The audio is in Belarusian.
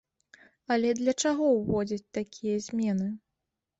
Але для чаго ўводзіць такія змены?